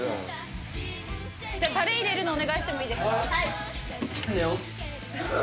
じゃあタレ入れるのお願いしてもいいですか。